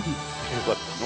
よかった。